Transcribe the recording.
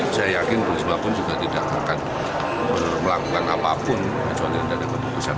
saya yakin risma pun juga tidak akan melakukan apapun kecuali tidak ada keputusan